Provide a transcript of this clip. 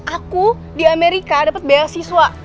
aku di amerika dapet bela siswa